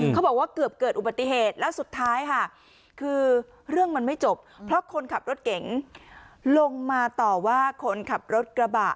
เขาบอกว่าเกือบเกิดอุบัติเหตุแล้วสุดท้ายค่ะคือเรื่องมันไม่จบเพราะคนขับรถเก๋งลงมาต่อว่าคนขับรถกระบะ